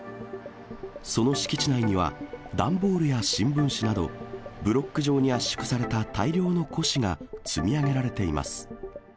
その敷地内には、段ボールや新聞紙など、ブロック状に圧縮された大量の古紙が積み上げられています。